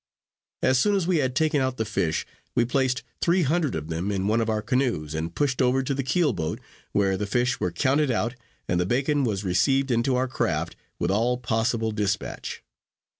As soon as we had taken out the fish, we placed three hundred of them in one of our canoes, and pushed over to the keel boat, where the fish were counted out, and the bacon was received into our craft with all possible despatch.